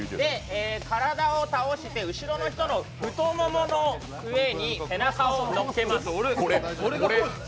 体を倒して後ろの太ももの上に背中をのっけます。